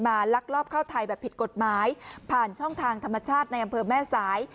ลักลอบเข้าไทยแบบผิดกฎหมายผ่านช่องทางธรรมชาติในอำเภอแม่สาย